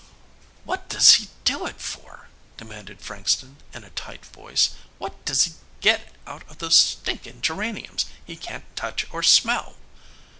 "What does he do it for?" demanded Frankston in a tight voice. "What does he get out of those stinking geraniums he can't touch or smell?"